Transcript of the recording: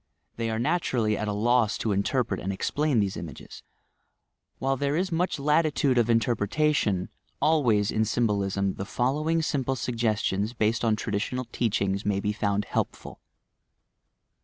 They are naturally at a loss to interpret and explain these images. While there is much latitude 108 YOUR PSYCHIC POWERS ot interpretation, always, in symbolism, the following simple suggestions based on traditional teachings, may be found helpful.